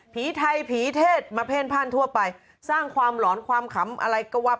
ผีไทยผีเทศมาเพ่นพ่านทั่วไปสร้างความหลอนความขำอะไรก็ว่า